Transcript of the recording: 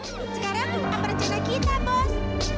sekarang apa rencana kita bos